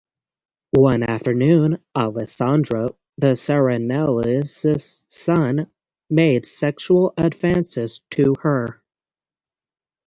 One afternoon, Alessandro, the Serenellis' son, made sexual advances to her.